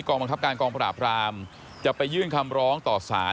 การกองประพรามจะไปยื่นคำร้องต่อศาล